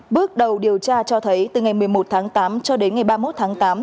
bước đầu điều tra cho thấy từ ngày một mươi một tháng tám cho đến ngày ba mươi một tháng tám